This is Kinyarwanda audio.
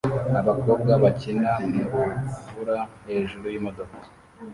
abakobwa bakina mu rubura hejuru yimodoka